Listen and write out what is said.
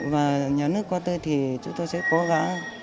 và nhà nước qua tôi thì chúng tôi sẽ cố gắng